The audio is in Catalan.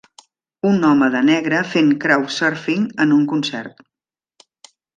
Un home de negre fent crowd surfing en un concert.